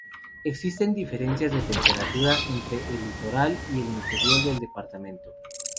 Existen diferencias de temperatura entre el litoral y el interior del departamento.